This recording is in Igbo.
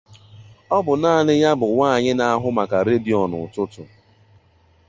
Ọ bụ naanị ya bụ nwanyị na-ahụ maka redio n'ụtụtụ.